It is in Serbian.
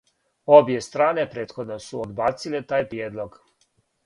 Обје стране претходно су одбациле тај приједлог.